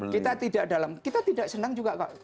kita tidak senang juga